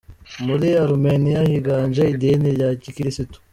Muri Arumeniya higanje idini rya gikirisitu.